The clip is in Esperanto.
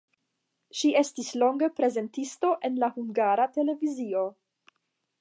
Ŝi estis longe prezentisto en la Hungara Televizio.